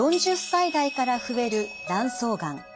４０歳代から増える卵巣がん。